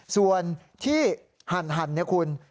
ส่วนที่หั่นคุณ